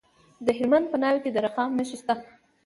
د هلمند په ناوې کې د رخام نښې شته.